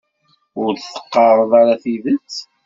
Ur d-teqqareḍ ara tidet.